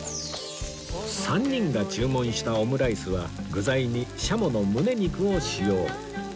３人が注文したオムライスは具材にシャモのむね肉を使用